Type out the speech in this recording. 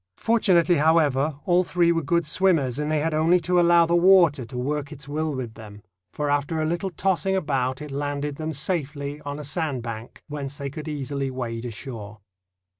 Fortunately, however, all three were good swimmers, and they had only to allow the water to work its will with them, for after a little tossing about it landed them safely on a sand bank, whence they could easily wade ashore.